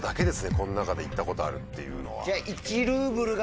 こん中で行ったことあるっていうのは。